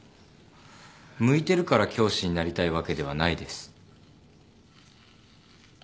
向いてるから教師になりたいわけではないです。